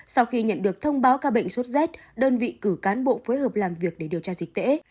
sau khi nhận được thông báo ca bệnh sốt rét đơn vị cử cán bộ phối hợp làm việc để điều tra dịch tễ